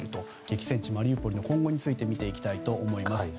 激戦地マリウポリの今後について見ていきたいと思います。